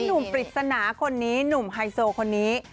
ปริศนาคนนี้หนุ่มไฮโซคนนี้